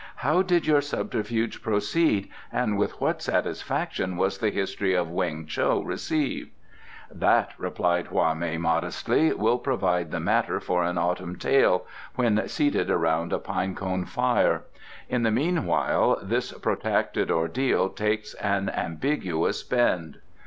"How did your subterfuge proceed, and with what satisfaction was the history of Weng Cho received?" "That," replied Hwa mei modestly, "will provide the matter for an autumn tale, when seated around a pine cone fire. In the meanwhile this protracted ordeal takes an ambiguous bend."